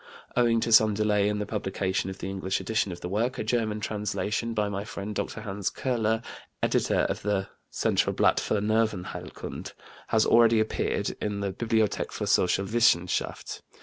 Owing to some delay in the publication of the English edition of the work, a German translation by my friend, Dr. Hans Kurella, editor of the Centralblatt für Nervenheilkunde, has already appeared (1896) in the Bibliothek für Sozialwissenschaft.